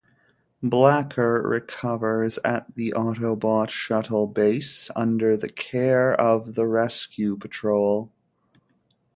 Blacker recovers at the Autobot Shuttle Base under the care of the Rescue Patrol.